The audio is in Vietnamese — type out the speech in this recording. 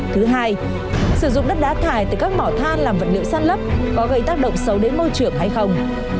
thứ hai sử dụng đất đá thải từ các mỏ than làm vật liệu san lấp có gây tác động xấu đến môi trường hay không